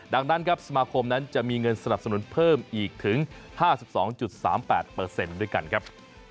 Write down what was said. ดังนั้นครับสมาคมนั้นจะมีเงินสนับสนุนเพิ่มอีกถึง๕๒๓๘ด้วยกันครับ